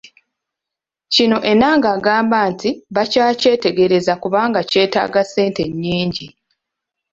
Kino Enanga agamba nti bakyakyetegereza kubanga kyetaaga ssente nnyingi.